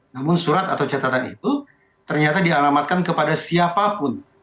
namun surat atau catatan itu ternyata dialamatkan kepada siapapun